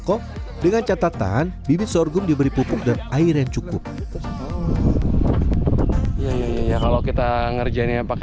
kok dengan catatan bibit sorghum diberi pupuk sorghum bisa tumbuh optimal kok